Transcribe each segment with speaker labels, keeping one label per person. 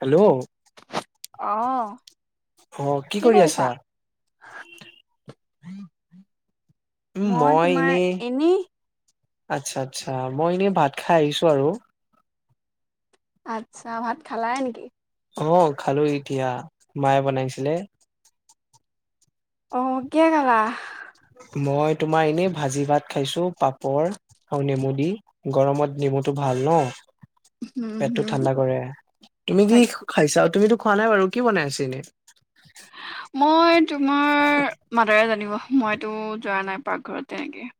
Speaker 1: Hello!
Speaker 2: আহ
Speaker 1: অহ কি কৰি আছা? উম মই এনেই। আচ্ছা আচ্ছা, মই এনেই ভাত খাই আহিছো আৰু।
Speaker 2: আচ্ছা ভাত খালাই নেকি?
Speaker 1: অ খালো এতিয়া মায়ে বনাইছিলে।
Speaker 2: অ কিয় খালা
Speaker 1: মই তোমাৰ এনে ভাজি ভাত খাইছো পাপৰ আৰু নেমু দি গৰমত নি মটো ভাল ন।
Speaker 2: উম,
Speaker 1: পেটতো
Speaker 2: হম।
Speaker 1: ঠাণ্ডা কৰে তুমি কি
Speaker 2: তাক
Speaker 1: খাইছা তুমিতো খোৱা নাই বাৰু কি বনাই আছ এনেই
Speaker 2: মই তোমাৰ মাদাৰে জানিব। সোমইতো যোৱা নাই পাকঘৰত তেনেকৈ।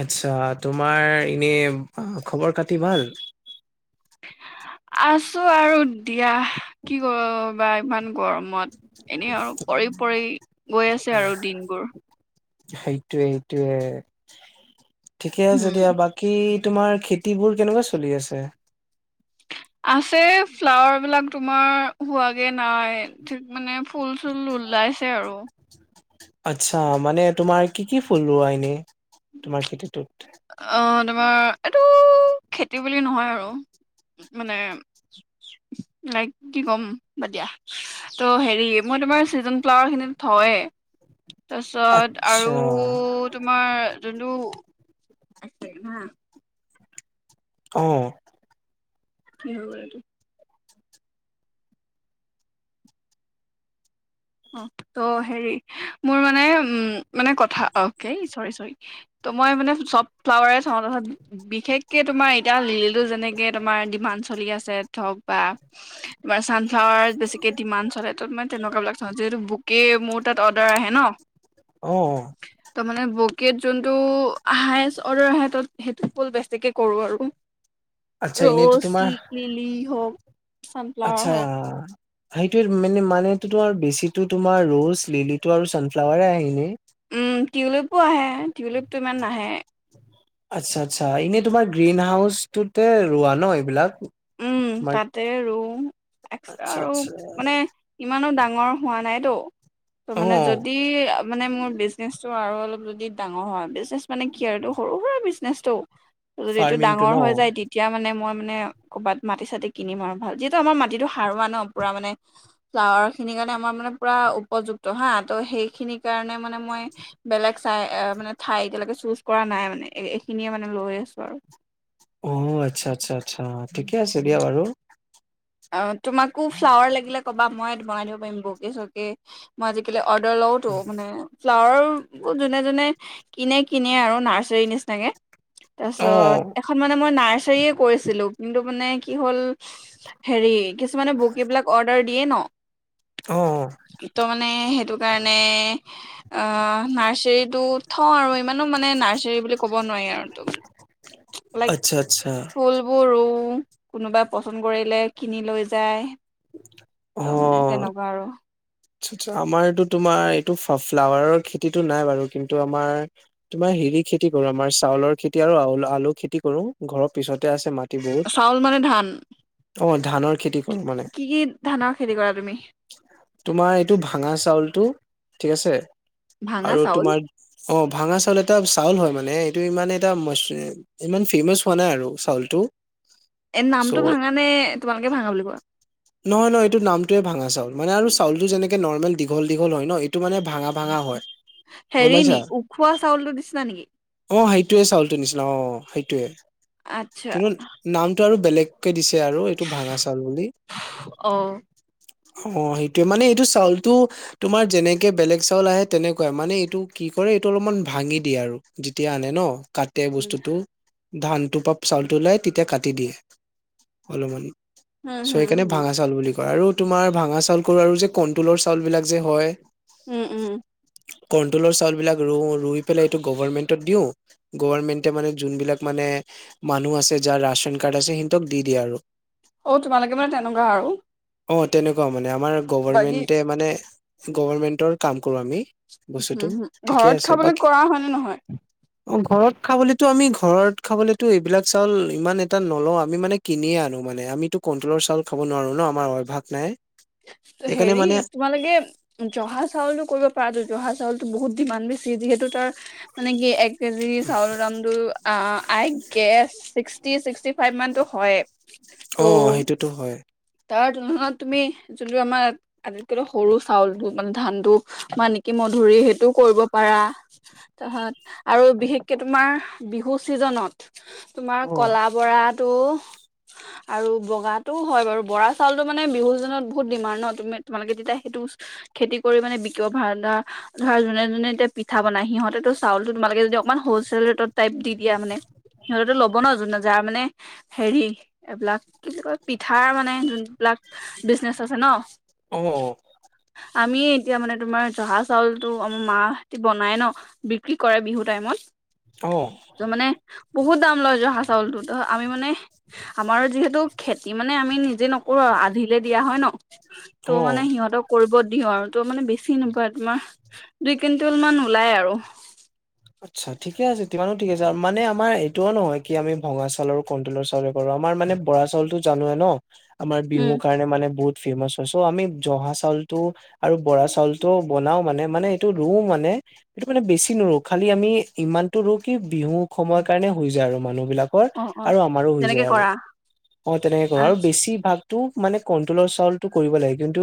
Speaker 1: আচ্ছা তোমাৰ এনে খবৰ কাতি ভাল।
Speaker 2: আছো আৰু দিয়া কি কৰবা ইমান। গৰমত এনে আৰু পৰি পৰি গৈ আছে আৰু দিনবোৰ।
Speaker 1: সেইটোয়ে সেইটোয়ে, ঠিকে আছে
Speaker 2: উম।
Speaker 1: দিয়া বাকী তোমাৰ খেতিবোৰ কেনেকুৱা চলি আছে।
Speaker 2: আছে ফ্লাৱাৰ বিলাক তোমাৰ হোৱাগে নাই ঠিক মানে ফুল চুল ওললা। উলাইছে আৰু।
Speaker 1: আচ্ছা, মানে তোমাৰ কি কি ফুল ৰোৱা এনে তোমাৰ খেতিটোত?
Speaker 2: আহ তোমাৰ এইটো খেতি বুলি নহয় আৰু। মানে লাইক কি ক'ম ব দিয়া ত হেৰি মই তোমাৰ চিজন ফ্লাৱাৰ খিনিত হয়। তাৰপিছত
Speaker 1: আচ্ছা
Speaker 2: আৰু তোমাৰ যোনটো হা।
Speaker 1: অহ।
Speaker 2: ফিৰি হয় সেইটো। অ ত' হেৰি মোৰ মানে উ মানে কথা অ চৰি চৰি। ত মই মানে চব ফ্লাৱাৰে চাওঁ তাৰপছত বিশেষকে তোমাৰ এতিয়া লিলিটো যেনেকে তোমাৰ ডিমাড। চলি আছে ধক বা তোমাৰ চানফ্লাৱাৰ বেছিকে ডিমাণ্ড চলে ত মে তেনেকুৱাবিলাক? যিহটো বুকে মোৰ তাত অৰ্ডাৰ আহে ন।
Speaker 1: অ
Speaker 2: তাৰ মানে বকেত যোনটো হাইচ আৰ্ডাৰ আহে আহে ত সেইটো ফুল বেছিকে কৰোঁ আৰু।
Speaker 1: আচ্ছা এনেইতো
Speaker 2: ৰ'জ,
Speaker 1: তোমাৰ
Speaker 2: লিলি হওক চানফ্লাৱাৰ
Speaker 1: আচ্ছা।
Speaker 2: হওক
Speaker 1: সেইটোৱে মানে মানে তো তোমাৰ বেছি তো তোমাৰ ৰজ লিলি টো আৰু ছানফ্লাৱাৰ আহিলে।
Speaker 2: উম টিউলিপো আহে টিউলিপটো ইমান নাহে।
Speaker 1: আচ্ছা আচ্ছা এনেই তোমাৰ গ্ৰীণ হাউচটোতে ৰোৱা ন এইবিলাক।
Speaker 2: উম
Speaker 1: তোমাৰ
Speaker 2: তাতে ৰু এক্সট্ৰা
Speaker 1: আচ্ছা
Speaker 2: আৰু
Speaker 1: আচ্ছা
Speaker 2: মানে ইমানো ডাঙৰ। মোৰো হোৱা নাইতো,
Speaker 1: অ
Speaker 2: তমানে যদি উম মানে মোৰ বিজনেচটো আৰু অলপ যদি ডাঙৰ হয়, বিজনেচ মানে কি আৰুটো সৰু সুৰা বিজনেছটো। যদি এইটো
Speaker 1: ফাৰ্মিংটো
Speaker 2: ডাঙৰ
Speaker 1: ন
Speaker 2: হৈ যায়, তেতিয়া মানে মই মানে ক'ৰবাত মাটি-চাতি কিনিম আৰু ভাল। যিহেতু আমাৰ মাটিটো সাৰুৱা ন', পুৰা মানে ফ্লাৱাৰখিনিৰ কাৰণে আমাৰ পুৰা উপযুক্ত, হা। তো সেইখিনি কাৰণে মানে মই বেলেগ চাই- অ' মানে ঠাই চুজ কৰা নাই মানে এইখিনিয়ে মানে লৈ আছো আৰু।
Speaker 1: অ' আচ্ছা - আচ্ছা - আচ্ছা। ঠিকে আছে দিয়া বাৰু।
Speaker 2: অ' তোমাকো ফ্লাৱাৰ লাগিলে ক'বা। মই বনাই দিব পাৰিম বুকে-চকে। মই আজিকালি অৰ্ডাৰ লওঁতো, মানে ফ্লাৱাৰ যোনে- যোনে, কিনে- কিনে আৰু নাৰ্চাৰীৰ নিচনাকে
Speaker 1: অ
Speaker 2: তাৰছত এখন মানে মই নাৰ্চাৰীয়ে কৈ আছিলোঁ কিন্তু, মানে কি হ'ল হেৰি কিছুমানে বুকেবিলাক অৰ্ডাৰ দিয়ে
Speaker 1: অ
Speaker 2: ন', তো মা নে সেইটো কাৰণে অ'- নাৰ্চাৰীটো থওঁ আৰু ইমানো মানে নাৰ্চাৰী বুলি ক'ব নোৱাৰি আৰু ইটো। লাইক
Speaker 1: আচ্ছা আচ্ছা
Speaker 2: ফুলবোৰো কোনোবাই পচন্দ কৰিলে, কিনি লৈ যায়। তো মানে
Speaker 1: অ
Speaker 2: তেনেকুৱা আৰু।
Speaker 1: আচ্ছা -আচ্ছা আমাৰেতো তোমাৰ এইটো ফ্লা - ফ্লাৱাৰৰ খেতিটো নাই বাৰু, কিন্তু আমাৰ তোমাৰ হেৰি খেতি কৰোঁ আমাৰ, চাউলৰ খেতি আৰু আও- আলু খেতি কৰোঁ। ঘৰৰ পিছতে আছে মা
Speaker 2: চাউল মানে ধান
Speaker 1: ধানৰ খেতি কৰো
Speaker 2: কি
Speaker 1: মানে
Speaker 2: - কি ধানৰ খেতি কৰা তুমি?
Speaker 1: তোমাৰ এইটো ভাঙা চাউলটো ঠিক আছে
Speaker 2: ভাঙা
Speaker 1: আৰু
Speaker 2: চাউল?
Speaker 1: তোমাৰ অহ, ভাঙা চাউল এটা চাউল হয় মানে এইটো ইমান এটা ইমান ফেমাচ হোৱা নাই আৰু চাউলটো।
Speaker 2: এ
Speaker 1: ছো।
Speaker 2: নামটো ভাঙা নে তোমালোকে ভাঙা বুলি কোৱা?
Speaker 1: নহয় - নহয়, এইটো নামটোৱে ভাঙা চাউল। মানে আৰু চাউলটো যেনেকে নৰ্মেল দীঘল - দীঘল হয় ন'? এইটো মানে ভাঙা - ভাঙা হয়। গম
Speaker 2: হেৰি নি
Speaker 1: পাইছা?
Speaker 2: উখোৱা চাউলটো দিছিলা নেকি?
Speaker 1: অহ সেইটোয়ে চাউলটোৰ নিচিনা অহ সেইটো টোৱে।
Speaker 2: আচ্ছা
Speaker 1: কিন্তু নামটো আৰু বেলেগকে দিছ এ আৰু এইটো ভাঙা চাউল বুলি।
Speaker 2: অ।
Speaker 1: অ' সে টোৱে। মানে এইটো চাউলটো তোমাৰ যেনেকে বেলেগ চাউল আহে, তেনেকুৱাই। মানে এইটো কি কৰে, এইটো অলপমান ভা ভাঙি দিয়ে আৰু, যেতিয়া আনে ন'। কাটে
Speaker 2: উম
Speaker 1: বস্তুটো। ধানটো পৰা চাউলটো ওলাই, তেতিয়া কাটি দিয়ে, অলপমানি।
Speaker 2: হুম
Speaker 1: ছো
Speaker 2: হুম
Speaker 1: এইকাৰণে
Speaker 2: হুম
Speaker 1: ভাঙা চাউল বুলি কয়। আৰু তোমাৰ ভাঙা চাউল কৰোঁ আৰু যে কন্ট্ৰলৰ চাউলবিলাক যে হয়
Speaker 2: উম -উম
Speaker 1: কৰ্ণটলৰ চাউলবিলাক ৰো- ৰুই পেলাই এইটো গভৰ্মেণ্টত দিওঁ। গভৰ্মেন্টে মানে যোনবিলাক মানে মানুহ আছে, যাৰ ৰাছন কাৰ্ড আছে, সিহঁতক দি দিয়ে আৰু।
Speaker 2: অ তোমালোকে মানে তেনেকুৱা আৰু
Speaker 1: অহ, তেনেকুৱা মানে আমাৰ
Speaker 2: বাকী
Speaker 1: গভৰ্মেণ্টে মানে গভৰ্মেণ্টৰ কাম কৰোঁ আমি
Speaker 2: হুম
Speaker 1: বস্তুটো,
Speaker 2: হুম
Speaker 1: ঠিকে
Speaker 2: ঘৰত
Speaker 1: আছে।
Speaker 2: খাবলৈ
Speaker 1: বাকী
Speaker 2: কৰা হয় নে নহয়?
Speaker 1: অহ, ঘৰত খাবলেতো আমি ঘৰত খাবলেতো এইবিলাক চাউল ইমান এটা নলও আমি মানে কিনিয়ে আনো। মানে আমিতো কন্ট্ৰলৰ চাউল খাব নোৱাৰো ন 'আমাৰ অভ্যাস নাই সেইকাৰণে
Speaker 2: হেৰি
Speaker 1: মানে
Speaker 2: তোমালোকে জহা চাউলো কৰিব পাৰা তো। জহা চাউলতো বহুত ডিমাণ্ড বেছি, যিহেতু তাৰ মানে কি, এক কেজি চাউলৰ দামটো আই গেচ ছিক্সটি- ছিক্সটি ফাইভ মানতটো হয়ে।
Speaker 1: অ'
Speaker 2: ত'
Speaker 1: সেইটোতো হয়।
Speaker 2: তাৰ তুলনাত তুমি যোনটো আমাৰ আটাইতকৈ সৰু চাউলটো মানে ধানটো মা কিমধুৰী সেইটো কৰিব পাৰা। তাৰপাছত আৰু বিশেষকে তোমাৰ বিহু ছিজন জনত। তোমাৰ
Speaker 1: অ
Speaker 2: কলা বৰাটো আৰু বগাটো হয় বাৰু বৰা চাউল তো মানে বিহুজনত বহুত ডিমাণ্ড ন' তুমি তোমালোকে তেতিয়া সেইটো খেতি কৰি মানে বিকব ভাল ধৰা যোনে - যোনে এতিয়া পিঠা বনায়, সিহঁতেতো চাউলো তোমালোকে যদি অকমান হোলছেল ৰেটত টাইপ দি দিয়া মানে সিহঁতেতো ল'ব ন' জুনে যাৰ মানে হেৰি এইবিলাক কি- কি কয় পিঠাৰ মানে যোনবিলাক বিজনেছ আছে ন'
Speaker 1: অ
Speaker 2: আমি এতিয়া মানে তোমাৰ জহা চাউলটো আমাৰ মাহাহতি বনাই ন' বিক্ৰী কৰে বিহু টাইমত।
Speaker 1: অ
Speaker 2: ত 'মানে বহুত দাম লয় জহা চাউলটোত, আমি মানে আমাৰ যিহেতু খেতি মানে আমি নিজে নকৰো আধিলে দিয়া হয় ন তই
Speaker 1: অ
Speaker 2: মানে সিহঁতক কৰিব দিওঁ আৰু তোৰ মানে বেছি নপৰে তোমাৰ দুই কুইণ্টেল মান ওলাই আৰু
Speaker 1: আচ্ছা ঠিকে আছে তিমানো ঠিক আছে আৰু মানে আমাৰ এইটো নহয় কি আমি ভঙা চাউল আৰু কন্তলৰ চাউলেৰে কৰো আমাৰ মানে বৰা চালতো জানো ন, আমাৰ বিহু
Speaker 2: উম
Speaker 1: কাৰণে মানে বহুত ফেমাচ হয় চ। ' আমি জহা চাউলটো আৰু বৰা চাউলটো বনাও মানে মানে এইটো ৰুও মানে সেইটো মানে বেছি নৰো, খালি আমি ইমানটো ৰো কি বিহু সময়ৰ কাৰণে হৈ যায় আৰু মানুহবিলাক ক
Speaker 2: অ অ
Speaker 1: আৰু আমাৰো হৈ
Speaker 2: তেনেকে
Speaker 1: যায় আৰু
Speaker 2: কৰা
Speaker 1: অ তেনেকে কৰো আৰু
Speaker 2: আচ্ছা
Speaker 1: বেছি ভাগ মানে কন্ট্ৰলৰ চাউলটো কৰিব লাগে কিন্তু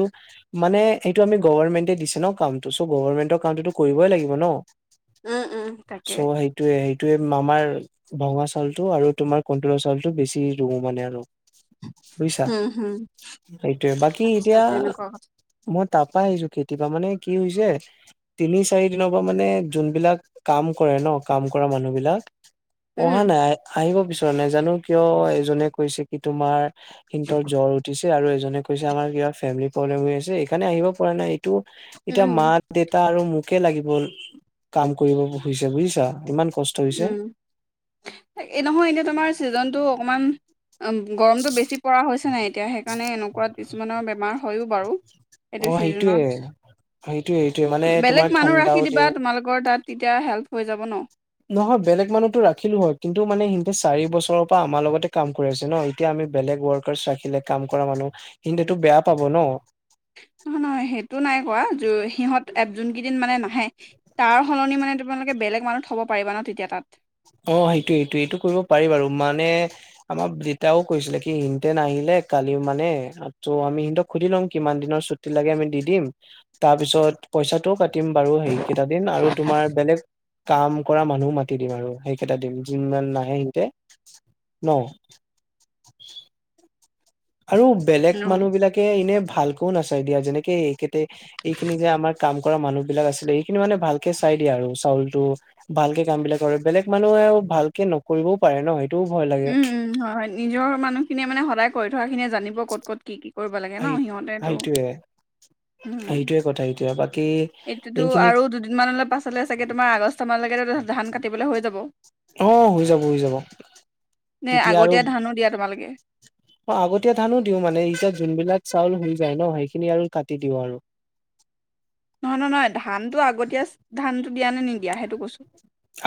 Speaker 1: মানে সেইটো আমি গমেন্টে দিছে কাম টো গভমেন্টৰ কামটোতো কৰিবই লাগিব ন।
Speaker 2: উম উম তাকে
Speaker 1: তে মমাৰ ভঙা চাউলটো আৰু তোমাৰ কণ্টলৰ চাউটো বেছি ৰুও মানে আৰু বুজিছা
Speaker 2: উম হম
Speaker 1: সেইটোৱে বাকী
Speaker 2: আচ্ছা
Speaker 1: এতিয়া
Speaker 2: তেনেকুৱা কথা
Speaker 1: মই তাৰপা আহিছো খেতি পা মানে কি হৈছে তিনি চাৰি দিনৰ পৰা মানে যোনবিলাক কাম কৰে ন কাম কৰা মানুহ বিলাক অহা
Speaker 2: উম
Speaker 1: নাই আহিব বিচৰা নাই জানো কিয় এজনে কৈছে কি তোমাৰ সিন্তৰ জ্বৰ উঠিছ আৰু এজনে কৈছে আমাৰ কিবা ফেমিলি প্ৰব্লেম হৈ আছে এইকাৰণে আহিব পৰা নাই টো এতিয়া মা
Speaker 2: উম
Speaker 1: দেউতা আৰু মোকে লাগিব কাম কৰিব নোখোজিছো বুজিছা ইমান কষ্ট হৈছে
Speaker 2: উম, এই নহয় এনেই তোমাৰ ছিজনটো অকমান গৰমতটো বেছি পৰা হৈছে নাই এতিয়া সেইকাৰণে এনেকোৱাত কিছুমানৰ বেমাৰ হয়ও বাৰু
Speaker 1: অ
Speaker 2: এইটো
Speaker 1: সেইটোয়ে
Speaker 2: চিজনত
Speaker 1: সেইটোয়ে সেইটোয়ে মানে তোমাৰ
Speaker 2: বেলেগ মানুহ
Speaker 1: ঠাণ্ডাও
Speaker 2: ৰাখি দিবা
Speaker 1: দিয়ে
Speaker 2: তোমালোকৰ তাত। তেতিয়া হেল্প হৈ যাব ন
Speaker 1: নহয় বেলেগ মানুহতো ৰাখিলো হয় কিন্তু মানে সিহতে চাৰি বছৰৰ পৰা আমাৰ লগতে কাম কৰি আছে ন, এতিয়া আমি বেলেগ ৱৰ্কাৰছ ৰাখিলে কাম কৰা মানুহ সিন্তুটো বেয়া পাব ন।
Speaker 2: নহয় নহয় সেইটো নাই কৰা সিহঁত এত যোন কেইদিন মানে নাহে, তাৰ সলনি মানে তোমালোকে বেলেগ মানুহ থ'ব পাৰিবা ন তেতিয়া তাত।
Speaker 1: অ সেইটো সেইটো এইটো কৰিব পাৰি বাৰু মানে আমাৰ দেতাও কৈছিলে কি সিঁহতে নাহিলে কালিও মানে ত' আমি সিহতক সুধি লম কিমান দিনৰ ছুটি লাগে আমি দি দিম, তাৰপিছত পইচাটোও কাটিম বাৰু সেই কেইটা দিন আৰু তুমাৰ বেলেগ কাম কৰা মানুহ মাতি দিম আৰু সেইকেইটা দিম যোনমান নাহে সিহতে ন। আৰু বেলেগ
Speaker 2: উম
Speaker 1: মানুহবিলাকে এনে ভালকও নাচায় দিয়া, যেনেকে এইতে এইখিনি যে আমাৰ কাম কৰা মানুহবিলাক আছিলে এইখিনি মানে ভালকে চাই দিয়ে আৰু চাউলটো ভালকে কাম বিলাক কৰে, বেলেগ মানুহ ভালকে নকৰিবও পাৰে ন এ
Speaker 2: উম উম হয় হয় নিজৰ মানুহখিনিয়ে মানে সদায় কৰি থোৱা খিনিয়ে জানিব ক'ত ক'ত কি কি কৰিব লাগে ন
Speaker 1: সেই
Speaker 2: সিহঁতেটো।
Speaker 1: সেইটোয়ে
Speaker 2: উম
Speaker 1: সেইটোয়ে কথা সেইটোয়ে
Speaker 2: এইটোতো আৰু দুদিনমানলৈ পাছলৈ চাগে তোমাৰ আগষ্ট মানলৈকে ধান কাটিবলৈ হৈ যাব।
Speaker 1: অ হৈ যাব হৈ যাব
Speaker 2: নে
Speaker 1: তেতিয়া আৰু
Speaker 2: আগতীয়া ধানো দিয়া তোমালোকে
Speaker 1: অ আগতীয়া ধানো দিও মানে এতিয়া যোনবিলাক চাউল হৈ যায় ন সেইখিনি আৰু কাটি দিওঁ আৰু। [unintelligible]
Speaker 2: নহয় নহয় নহয় ধানতটো আগতীয়া ধানটো দিয়া নে নিদিয়া সেইটো কৈছো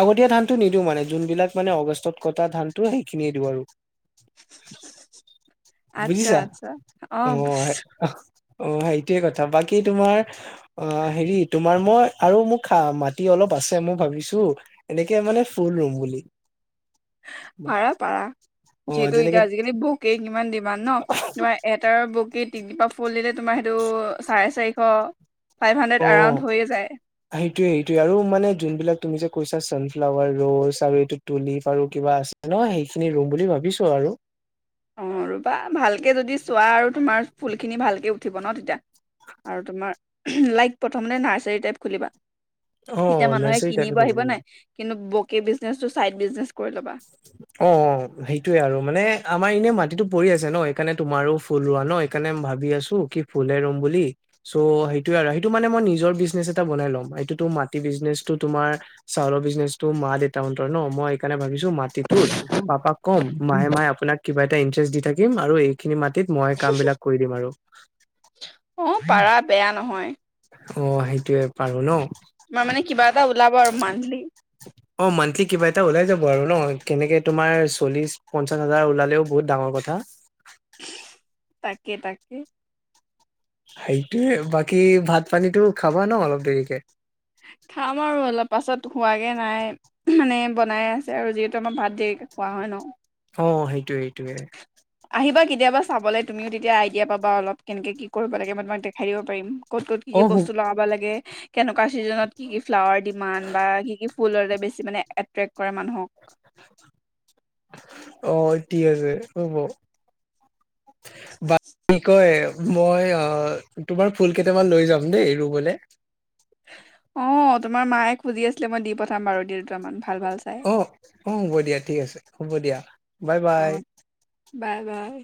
Speaker 1: আগতীয়া ধানটো নিদিওঁ মানে যোনবিলাক মানে আগষ্টত কটা ধানটো সেইখিনিয়ে দিওঁ আৰু
Speaker 2: আচ্ছা
Speaker 1: বুজিছা?
Speaker 2: আচ্ছা অ
Speaker 1: অহ
Speaker 2: বুজিছো
Speaker 1: অ সেইটোৱে কথা বাকী তোমাৰ অ হেৰি তোমাৰ মই আৰু মোক খা মাটি অলপ আছে, মই ভাবিছো এনেকে মানে ফুল ৰুম বুলি।
Speaker 2: পাৰা পাৰা।
Speaker 1: অ
Speaker 2: যিহেতু
Speaker 1: যেনেকে
Speaker 2: এতিয়া আজিকালি বকে ইমান ডিমাড ন তোমাৰ এটাৰ বকীত তিনিপা ফুল দিলে তোমাৰ সেইটো চাৰে চাৰিশ ফাইভ হাণ্ড্ৰেড
Speaker 1: অ
Speaker 2: এৰাউণ্ড হৈয়ে যায়
Speaker 1: সেইটোৱে সেইটোৱে আৰু মানে যোনবিলাক তুমি যে কৈছা ছানফ্লাৱাৰ ৰ'জ আৰু এইটো তুলি পাৰ কিবা আছে ন সেইখিনি ৰুম বুলি ভাবিছো আৰু
Speaker 2: অঁ ৰুবা ভালকে যদি চোৱা আৰু তোমাৰ ফুলখিনি ভালকৈ উঠিব ন তেতিয়া। আৰু তোমাৰ লাইক প্ৰথমতে নাৰ্চাৰী টাইপ খুলিবা
Speaker 1: অ
Speaker 2: তেতিয়া মানুহে
Speaker 1: নাৰ্চাৰী
Speaker 2: কিনিব
Speaker 1: টাইপে
Speaker 2: আহিব
Speaker 1: কৰিম
Speaker 2: নাই কিন্তু বকে বিজনেচটো চাইড বিজনেচ কৰি ল'বা
Speaker 1: অ সেইটোয়ে আৰু মানে আমাৰ এনে ম টো পৰি আছে ন সেইকাৰণে তুমাৰো ফুল ৰোৱা ন সেইকাৰণে ভাবি আছো কি ফুলে ৰুম বুলি চ' ইটোয়ে আৰু সেইটো মানে মই নিজৰ বিজনেচ এটা বনাই ল'ম এইটো মাটি বিজনেচো তোমাৰ চাউলৰ বিজনেচটো মা দেউতাহতৰ ন মই এইকাৰণে ভাবিচো মাটিটো পাপাক কম মাহে মাহে আপোনাক কিবা এটা ইণ্টাৰেষ্ট দি থাকিম আৰু এই খিনি মাটি মই কাম বিলাক কৰি দিম আৰু।
Speaker 2: অ পাৰা বেয়া নহয়
Speaker 1: অ সেইটোৱে পাৰো ন
Speaker 2: তোমাৰ মানে কিবা এটা ওলাব আৰু মান্থলি
Speaker 1: অ মান্থলি কিবা এটা ওলাই যাব আৰু ন কেনেক তুমাৰ চল্লিশ পঞ্চাশ হাজাৰ ওলালেও বহুত ডাঙৰ কথা
Speaker 2: তাকে তাকে
Speaker 1: সেইটো বাকী ভাত পানীটো খাবা ন অলপ দেৰিকে
Speaker 2: খাম আৰু অলপ পাছত হোৱাগে নাই মানে বনাই আছে আৰু যিহেতু আমাৰ ভাত দেৰিকে খোৱা হয় ন
Speaker 1: অ সেইটোৱে সেইটোয়ে
Speaker 2: আহিবা কেতিয়াবা চাবলৈ তুমিও তেতিয়া আইডিয়া পাবা অলপ কেনেকে কি কৰিব লাগে মই তোমাক দেখাই দিব পাৰিম। ক'ত ক'ত কি
Speaker 1: অ
Speaker 2: কি
Speaker 1: হু
Speaker 2: বস্তু লগাব লাগে কেনেকুৱা চিজনত কি কি ফ্লাৱাৰ ডিমান বা কি কি ফুলৰ বেছি মানে এট্ৰেক্ট কৰে মানুহক
Speaker 1: অ এতিয় আছে হ'ব কী কয় মই আহ তোমাৰ ফুল কেইটামান লৈ যাম দেই ৰুবলে।
Speaker 2: অ তোমাৰ মায়ে খুজি আছিলে মই দি পঠাম বাৰু দুটামান ভাল ভাল চাই
Speaker 1: অহ অহ অহ হ'ব দিয়া ঠিক আছে হ'ব দিয়া বাই
Speaker 2: অ
Speaker 1: বাই।
Speaker 2: Bye bye